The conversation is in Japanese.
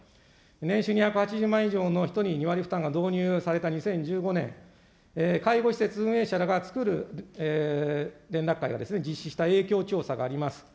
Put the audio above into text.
年収２８０万円以上の人に２割負担が導入された２０１５年、介護施設運営者らがつくる連絡会が実施した影響調査があります。